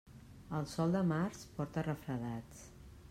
El sol de març porta refredats.